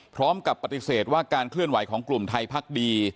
พร้อมกับปฏิเสธว่าการเคลื่อนไหวของกลุ่มไทยพักดี